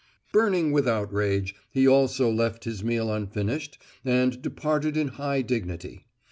Burning with outrage, he also left his meal unfinished and departed in high dignity.